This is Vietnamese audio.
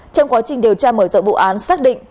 trong quá trình điều tra mở rộng vụ án xác định